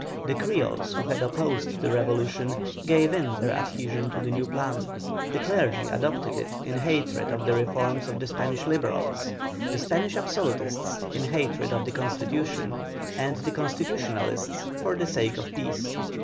The Creoles who had opposed the revolution gave in their adhesion to the new "Plan." The clergy adopted it in hatred of the reforms of the Spanish Liberals; the Spanish Absolutists in hatred of the Constitution; and the Constitutionalists for the sake of peace.